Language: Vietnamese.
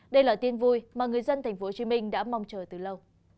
đây là tin vui mà người dân thành phố hồ chí minh đã mong chờ từ lâu